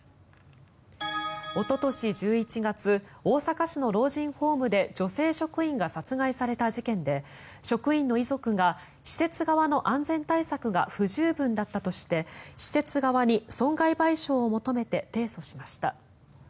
おととし１１月大阪市の老人ホームで女性職員が殺害された事件で職員の遺族が施設側の安全対策が不十分だったとして施設側に損害賠償を求めて提訴しました。